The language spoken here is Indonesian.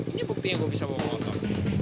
ini buktinya gue bisa bawa motor